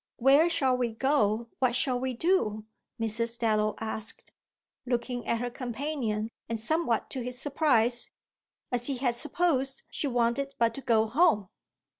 "Where shall we go, what shall we do?" Mrs. Dallow asked, looking at her companion and somewhat to his surprise, as he had supposed she wanted but to go home.